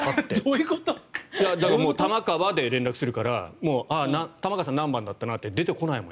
玉川で連絡するから玉川さん何番だったなって出てこないもん。